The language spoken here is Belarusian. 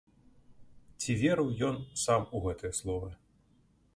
Ці верыў ён сам у гэтыя словы.